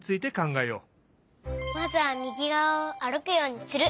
まずはみぎがわをあるくようにする。